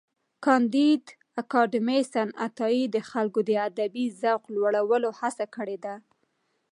کانديد اکاډميسن عطایي د خلکو د ادبي ذوق لوړولو هڅه کړې ده.